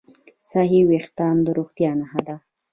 صحي وېښتيان د روغتیا نښه ده.